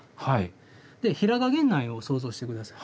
平賀源内を想像して下さい。